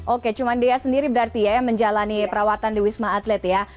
oke cuma dea sendiri berarti ya yang menjalani perawatan di wisma atlet ya